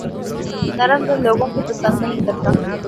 نرم دل لوگوں کے پسند نہیں کرتا